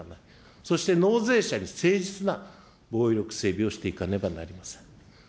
そして納税者に誠実な防衛力整備をしていかねばなりません。